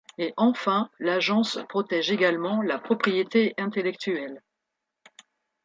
Et enfin, l'agence protège également la Propriété intellectuelle.